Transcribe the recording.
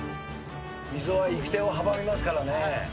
溝は行く手を阻みますからね。